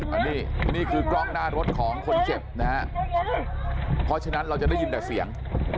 อันนี้นี่คือกล้องหน้ารถของคนเจ็บนะฮะเพราะฉะนั้นเราจะได้ยินแต่เสียง